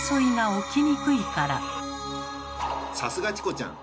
さすがチコちゃん！